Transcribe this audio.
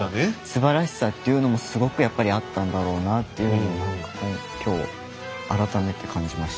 すばらしさっていうのもすごくやっぱりあったんだろうなっていうのを何か今日改めて感じましたね。